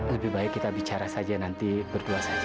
lebih baik kita bicara saja nanti berdua saja